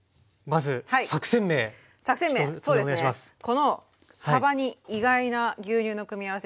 このさばに意外な牛乳の組み合わせ。